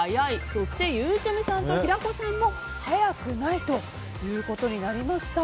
そして、ゆうちゃみと平子さんも早くないということになりました。